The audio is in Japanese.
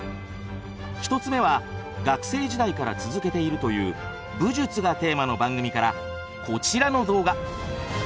１つ目は学生時代から続けているという「武術」がテーマの番組からこちらの動画！